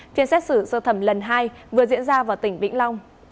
phiên xét xử sơ thẩm lần hai vừa diễn ra vào tỉnh vĩnh long